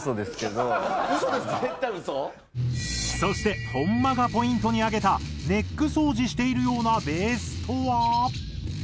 そして本間がポイントに挙げたネック掃除しているようなベースとは。